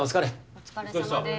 お疲れさまです。